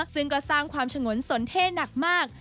ซึ่งก็สร้างความฉงนสนเท่หนักมาก